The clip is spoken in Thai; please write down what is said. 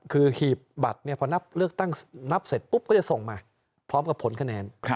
คือหีบบัตรพอนับเลือกตั้งนับเสร็จปุ๊บก็จะส่งมาพร้อมกับผลคะแนน